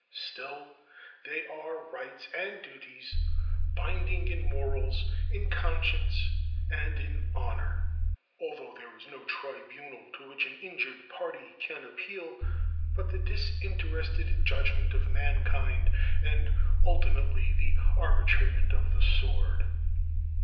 Still, they are rights and duties, binding in morals, in conscience, and in honor, although there is no tribunal to which an injured party can appeal but the disinterested judgment of mankind, and ultimately the arbitrament of the sword.